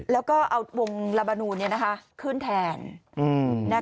แล้วก็เอาวงลาบานูนขึ้นแทน